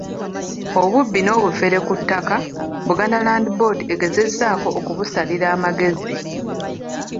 Obubbi n'obufere ku ttaka Buganda Land Board egezezzaako okubusalira amagezi.